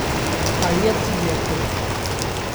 第一次約人